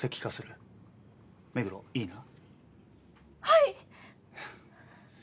はい！